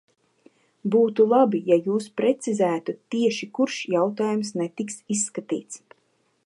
Būtu labi, ja jūs precizētu, tieši kurš jautājums netiks izskatīts.